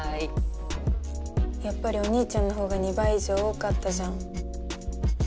やっぱりお兄ちゃんのほうが２倍以上多かったじゃん。